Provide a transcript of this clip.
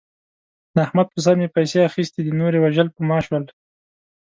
د احمد په سر مې پیسې اخستې دي. نور یې وژل په ما شول.